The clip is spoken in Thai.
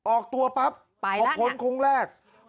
ออกตัวปั๊บออกค้นโค้งแรกไปแล้วนะ